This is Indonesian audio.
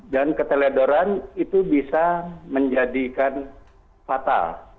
dan keteledoran itu bisa menjadikan fatal